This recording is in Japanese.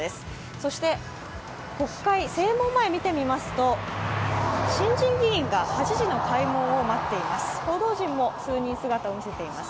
そして国会正門前を見てみますと新人議員が８時の開門を待っています。